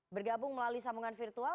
bergabung melalui sambungan virtual